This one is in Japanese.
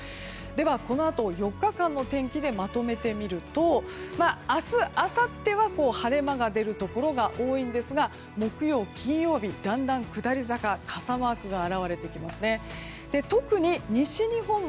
では、このあと４日間の天気でまとめて見ると明日、あさっては晴れ間が出るところが多いんですが木曜日、金曜日だんだん下り坂傘マークが現れてきますね。